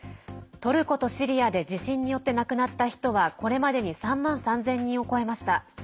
トルコとシリアで地震によって亡くなった人はこれまでに３万３０００人を超えました。